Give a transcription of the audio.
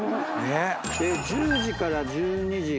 １０時から１２時。